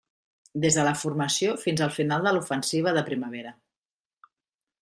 Des de la formació fins al final de l'ofensiva de primavera.